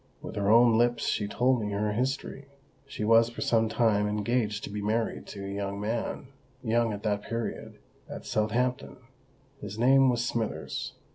With her own lips she told me her history. She was for some time engaged to be married to a young man—young at that period—at Southampton. His name was Smithers.